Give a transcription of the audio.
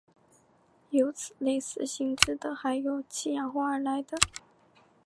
有此类似性质的还有七氧化二铼等。